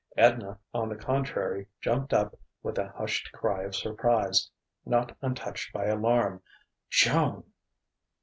Edna, on the contrary, jumped up with a hushed cry of surprise not untouched by alarm. "Joan!"